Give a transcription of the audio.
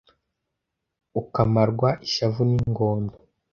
Ukamarwa ishavu n’ingondo